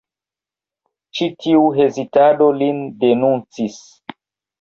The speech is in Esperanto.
Ĉi tiu hezitado lin denuncis.